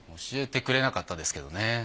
教えてくれなかったですけどね。